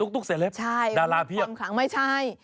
ตุ๊กเซล็ปดาราเพียบใช่มีความขังไม่ใช่